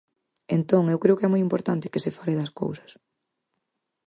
Entón, eu creo que é moi importante que se fale das cousas.